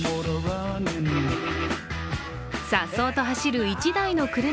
さっそうと走る１台の車。